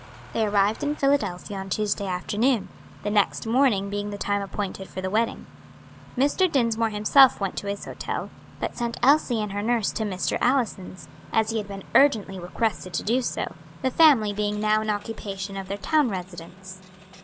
They arrived in Philadelphia on Tuesday afternoon, the next morning being the time appointed for the wedding. Mr. Dinsmore himself went to his hotel, but sent Elsie and her nurse to Mr. Allison's, as he had been urgently requested to do, the family being now in occupation of their town residence.